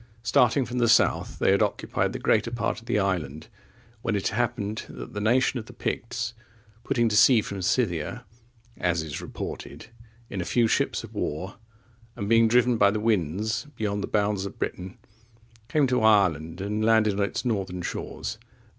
Starting from the south, they had occupied the greater part of the island, when it happened, that the nation of the Picts, putting to sea from Scythia,(29) as is reported, in a few ships of war, and being driven by the winds beyond the bounds of Britain, came to Ireland and landed on its northern shores.